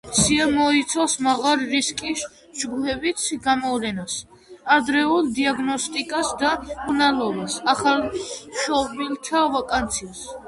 ტუბერკულოზის პრევენცია მოიცავს მაღალი რისკის ჯგუფების გამოვლენას, ადრეულ დიაგნოსტიკას და მკურნალობას, ახალშობილთა ვაქცინაციას.